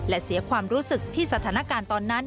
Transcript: และเสียความรู้สึกที่สถานการณ์ตอนนั้น